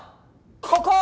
ここ！